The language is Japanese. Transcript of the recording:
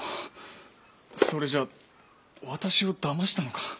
それじゃ私をだましたのか。